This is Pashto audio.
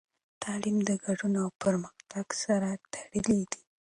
تعلیم د ګډون او پرمختګ سره تړلی دی.